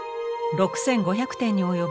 ６，５００点におよぶ